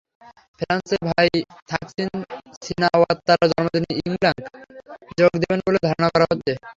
ফ্রান্সে ভাই থাকসিন সিনাওয়াত্রার জন্মদিনে ইংলাক যোগ দেবেন বলে ধারণা করা হচ্ছে।